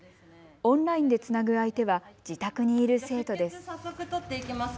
オンラインでつなぐ相手は自宅にいる生徒です。